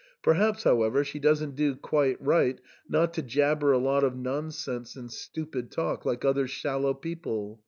Perhaps, however, she doesn't do quite right not to jabber a lot of nonsense and stupid talk like other shallow people.